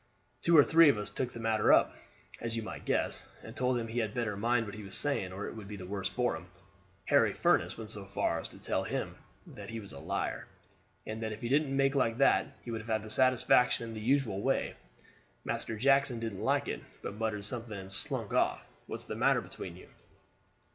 "Two or three of us took the matter up, as you might guess, and told him he had better mind what he was saying or it would be the worse for him. Harry Furniss went so far as to tell him that he was a liar, and that if he didn't like that he would have satisfaction in the usual way. Master Jackson didn't like it, but muttered something and slunk off. What's the matter between you?"